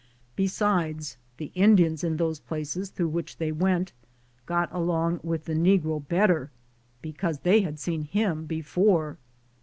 Besides, the Indians in those places through which they went got along with the negro better, because they had seen him before.